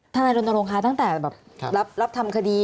ท่านไอนรณโรงค้าตั้งแต่แบบรับทำคดี